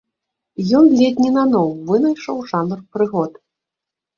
Ён ледзь не наноў вынайшаў жанр прыгод.